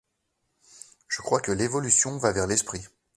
Je crois que l'Évolution va vers l'Esprit.